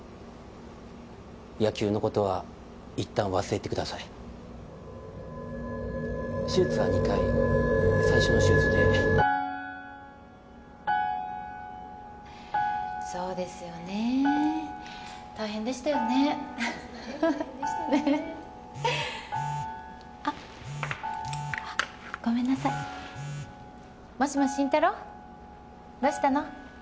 野球のことはいったん忘れてください手術は２回最初の手術でそうですよね大変でしたよね大変でしたね・あっ・ごめんなさいもしもし慎太郎どうしたの？